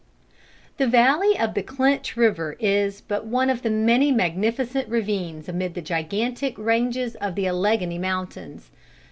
The valley of the Clinch river is but one of the many magnificent ravines amid the gigantic ranges of the Alleghany mountains.